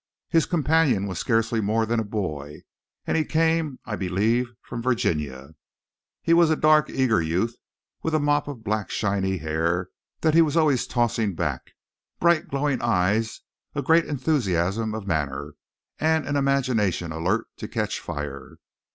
His companion was scarcely more than a boy, and he came, I believe, from Virginia. He was a dark, eager youth, with a mop of black shiny hair that he was always tossing back, bright glowing eyes, a great enthusiasm of manner, and an imagination alert to catch fire.